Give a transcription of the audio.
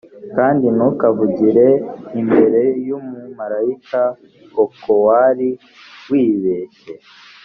kandi ntukavugire imbere y umumarayika o ko wari wibeshye